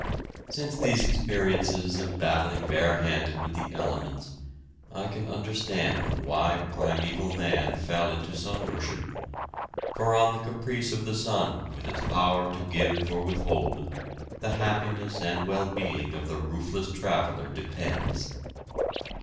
] Since these experiences of battling bare handed with the elements I can understand why primeval man fell into sun worship, for on the caprice of the sun with its power to give or withhold, the happiness and well being of the roofless traveller depends.